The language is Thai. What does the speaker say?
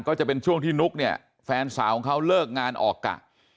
ก็จะเป็นช่วงที่นุ๊กเนี่ยแฟนสาวของเขาเลิกงานออกกะ